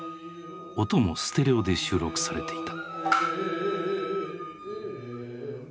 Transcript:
音もステレオで収録されていた。